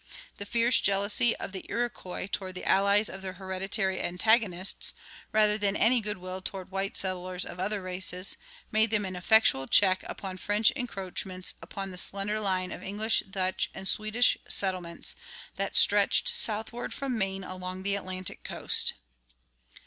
The fierce jealousy of the Iroquois toward the allies of their hereditary antagonists, rather than any good will toward white settlers of other races, made them an effectual check upon French encroachments upon the slender line of English, Dutch, and Swedish settlements that stretched southward from Maine along the Atlantic coast.